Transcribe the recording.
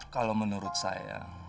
kalau menurut saya